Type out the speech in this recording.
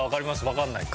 わかんないか。